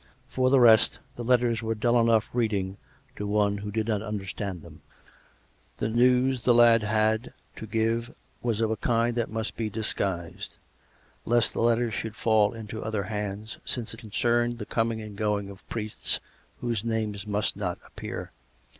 For the rest, the letters were dull enough reading to one who did not understand them: the news the lad had to give was of a kind that must be disguised, lest the letters should fall into other hands, since it concerned the coming and going of priests whose names must not appear.